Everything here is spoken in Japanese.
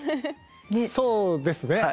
そうですね。